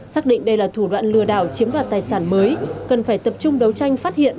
xác định đây là thủ đoạn lừa đảo chiếm đoạt tài sản mới cần phải tập trung đấu tranh phát hiện